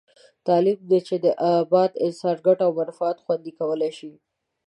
تعلیم دی چې د اباد انسان ګټه او منفعت خوندي کولای شي.